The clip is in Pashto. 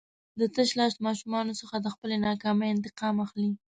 د تشلاس ماشومانو څخه د خپلې ناکامۍ انتقام اخلي.